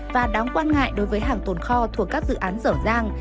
và đáng quan ngại đối với hàng tồn kho thuộc các dự án rở ràng